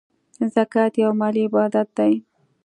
زکات یو مالی عبادت دی .